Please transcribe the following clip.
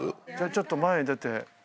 ちょっと前へ出て。